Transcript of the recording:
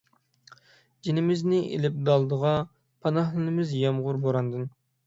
جېنىمىزنى ئېلىپ دالدىغا، پاناھلىنىمىز يامغۇر، بوراندىن.